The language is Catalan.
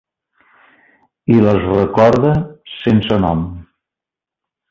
I les recorda sense nom.